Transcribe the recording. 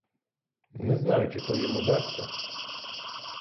Не знаю, чи то їм удасться.